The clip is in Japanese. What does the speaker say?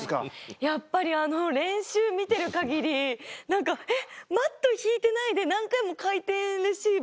やっぱりあの練習見てるかぎり何かマット敷いてないで何回も回転レシーブ。